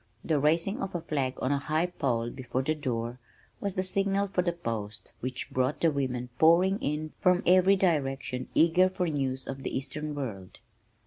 The raising of a flag on a high pole before the door was the signal for the post which brought the women pouring in from every direction eager for news of the eastern world.